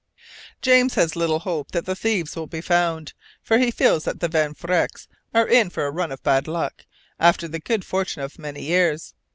James has little hope that the thieves will be found, for he feels that the Van Vrecks are in for a run of bad luck, after the good fortune of many years.